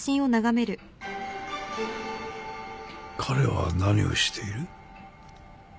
彼は何をしている？